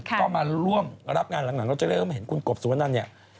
ก็มาร่วมรับงานหลังเราจะเริ่มเห็นคุณกบสุวนันเนี่ย